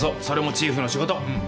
それもチーフの仕事。